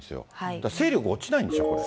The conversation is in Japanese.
だから勢力落ちないんでしょ、これ。